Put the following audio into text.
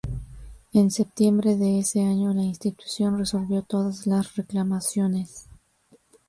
En septiembre de ese año la institución resolvió todas las reclamaciones.